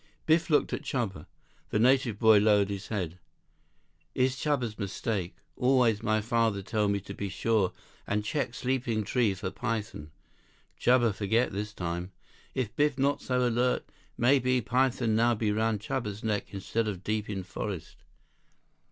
Biff looked at Chuba. The native boy lowered his head. "Is Chuba's mistake. Always, my father tell me to be sure and check sleeping tree for python. Chuba forget this time. If Biff not so alert, maybe python now be around Chuba's neck instead of deep in forest."